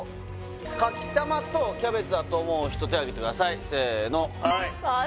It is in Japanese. かきたまとキャベツだと思う人手をあげてくださいせーのはいああ